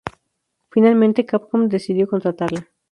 Finalmente Capcom decidió contratarla.